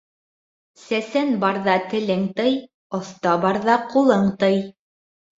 Сәсән барҙа телең тый, оҫта барҙа ҡулың тый.